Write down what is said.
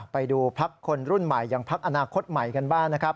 ไปดูพักคนรุ่นใหม่อย่างพักอนาคตใหม่กันบ้างนะครับ